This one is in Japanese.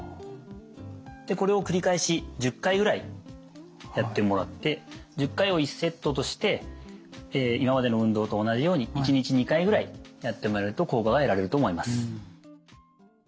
これを繰り返し１０回ぐらいやってもらって１０回を１セットとして今までの運動と同じように１日２回ぐらいやってもらえると効果が得られると思います。